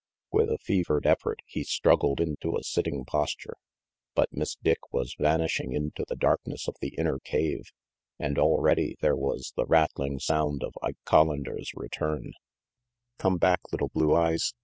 With a feverish effort, he struggled into a sitting posture. But Miss Dick was vanishing into the darkness of the inner cave, and already there was the rattling sound of Ike Collander's return. 390 RANGY PETE "Come back, Little Blue Eyes!"